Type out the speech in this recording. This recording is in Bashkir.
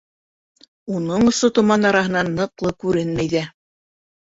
Уның осо томан араһынан ныҡлы күренмәй ҙә.